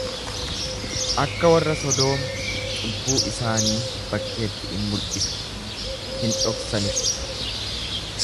Akka warra Sodoom cubbuu isaanii bakkeetti in mul'isu, hin dhoksanis.